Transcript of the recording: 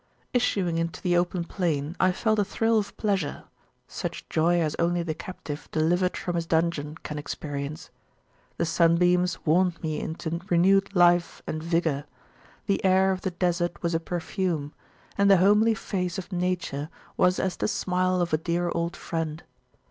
Issuing into the open plain, I felt a thrill of pleasuresuch joy as only the captive delivered from his dungeon can experience. The sunbeams warmed me into renewed life and vigour, the air of the Desert was a perfume, and the homely face of Nature was as the smile of a dear old friend.